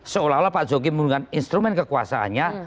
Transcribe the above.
seolah olah pak jokowi menggunakan instrumen kekuasaannya